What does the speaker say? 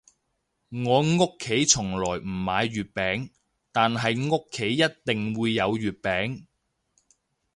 我屋企從來唔買月餅，但係屋企一定會有月餅